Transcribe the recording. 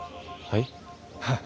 はい？